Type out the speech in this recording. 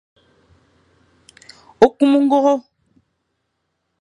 Okum ongoro.